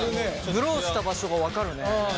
ブローした場所が分かるね。